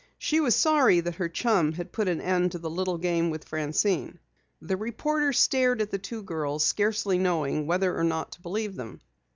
She was sorry that her chum had put an end to the little game with Francine. The reporter stared at the two girls, scarcely knowing whether or not to believe them.